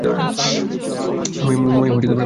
মহিম, আমার কথা শোনো।